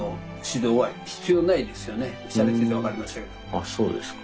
あそうですか。